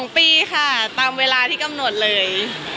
๒ปีค่ะตามเวลาที่กำหนดเลย